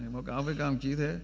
báo cáo với các ông